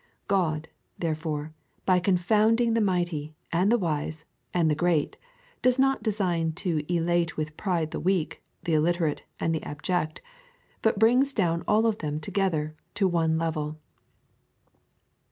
God. therefore, by confounding the mighty, and the wise, and the great, does not design to elate with pride the weak, the illiterate, and the abject, but brings down all of them together to one level.